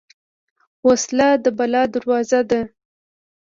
وسله د بلا دروازه ده